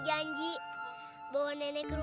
jangan tinggalin putri